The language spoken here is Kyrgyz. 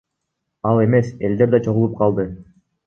Ал эмес элдер да чогулуп калды.